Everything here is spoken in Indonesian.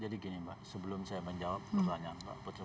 jadi gini mbak sebelum saya menjawab pertanyaan mbak